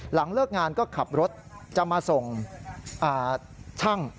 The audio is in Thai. หลังเลิกงานก็ขับรถจะมาส่งช่าง